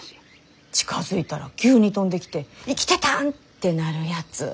近づいたら急に飛んできて生きてたんってなるやつ。